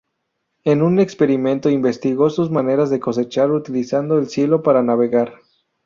En un experimento, investigó sus maneras de cosechar utilizando el cielo para navegar.